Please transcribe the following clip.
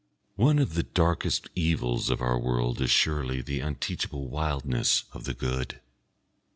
One of the darkest evils of our world is surely the unteachable wildness of the Good."